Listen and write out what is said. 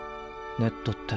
ネットって。